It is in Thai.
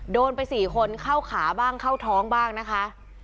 โดนไป๔คนเข้าขาบ้างเข้าท้องบ้างนะคะ